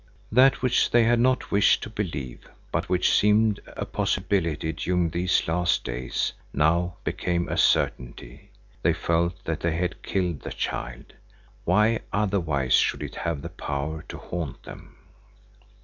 That which they had not wished to believe, but which seemed a possibility during these last days, now became a certainty. They felt that they had killed the child. Why otherwise should it have the power to haunt them?